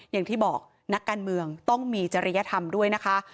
อย่างที่บอกนักการเมืองต้องมีจริยธรรมด้วยนะคะ